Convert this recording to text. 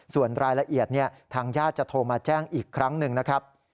ส่วนรายละเอียดทางญาติจะโทรมาแจ้งอีกครั้งหนึ่งนะครับ